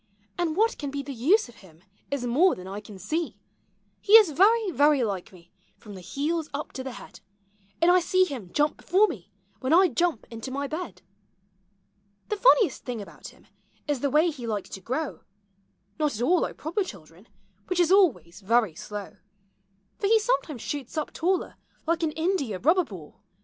And what can be the use of him is more than I can see. i:U POEMS OF HOME. He is very, very like me from the heels up to the head ; Aud I see him jump before me, when I jump into my bed. The funniest thing about him is the way he likes to grow — Not at all like proper children, which is always very slow ; For he sometimes shoots up taller like an india rubber ball.